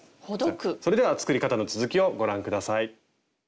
それでは作り方の続きをご覧下さい。